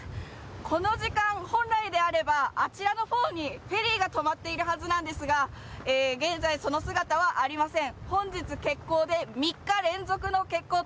この時間、本来であればあちらのほうにフェリーが止まっているはずなんですが現在その姿はありません。